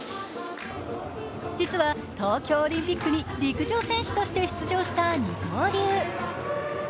実は、東京オリンピックに陸上選手として出場した二刀流。